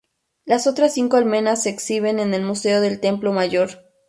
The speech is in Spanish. Las otras cinco almenas se exhiben en el Museo del Templo Mayor.